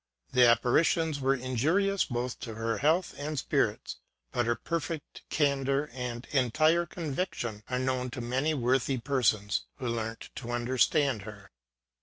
The apparitions were injurious both to her health and spirits ; but her perfect candour, and entire conviction, are known to many worthy per sons who learnt to understand her.